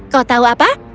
kau tahu apa